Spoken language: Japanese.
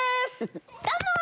どうも！